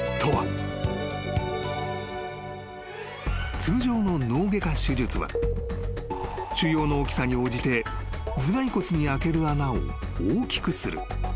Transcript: ［通常の脳外科手術は腫瘍の大きさに応じて頭蓋骨に開ける穴を大きくする］